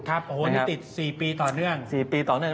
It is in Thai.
ที่ติด๔ปีต่อเนื่อง